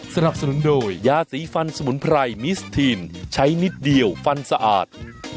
สนับสนุนโดยยาสีฟันสมุนไพรมิสทีนใช้นิดเดียวฟันสะอาด